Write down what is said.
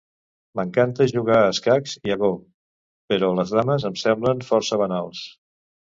M'encanta jugar a escacs i a go, però les dames em semblen força banals